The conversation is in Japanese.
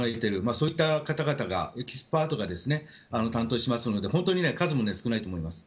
そういった方々がエキスパートが担当しますので本当に数も少ないと思います。